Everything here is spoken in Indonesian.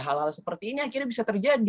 hal hal seperti ini akhirnya bisa terjadi